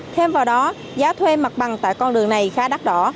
thêm vào đó giá thuê mặt bằng tại con đường này khá đắt đỏ